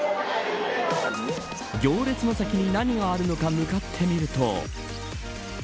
行列の先に何があるのか向かってみると。